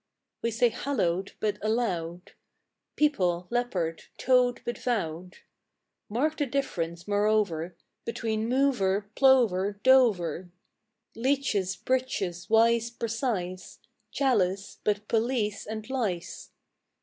We say hallowed, but allowed; People, leopard; towed, but vowed Mark the difference, moreover, Between mover, plover, Dover, Leeches, breeches; wise, precise; Chalice but police and lice.